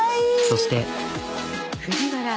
そして。